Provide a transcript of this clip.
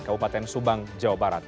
kabupaten subang jawa barat